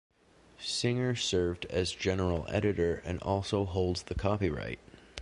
Singer served as General Editor and also holds the copyright.